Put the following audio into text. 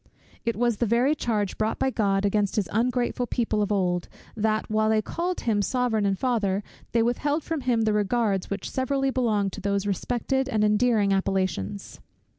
It was the very charge brought by God against his ungrateful people of old, that, while they called him Sovereign and Father, they withheld from him the regards which severally belong to those respected and endearing appellations.